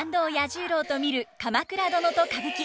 十郎と見る「鎌倉殿」と歌舞伎。